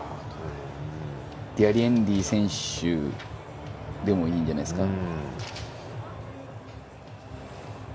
デアレンデ選手でもいいんじゃないですか。